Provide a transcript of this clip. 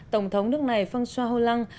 tổng thống nước này phanxuaholang